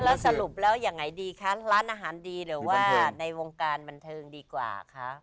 แล้วสรุปแล้วยังไงดีคะร้านอาหารดีหรือว่าในวงการบันเทิงดีกว่าคะ